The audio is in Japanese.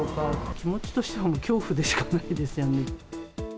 気持ちとしてはもう恐怖でしかないですよね。